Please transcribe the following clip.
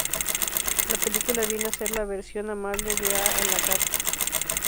La película viene a ser la "versión amable" de "A la caza".